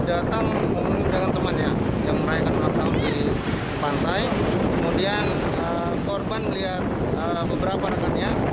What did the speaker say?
datang dengan temannya yang merayakan waktu di pantai kemudian korban lihat beberapa rekannya